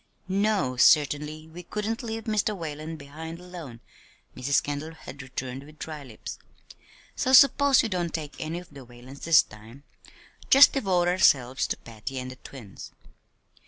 "No, certainly we couldn't leave Mr. Whalen behind alone," Mrs. Kendall had returned with dry lips. "So suppose we don't take any of the Whalens this time just devote ourselves to Patty and the twins."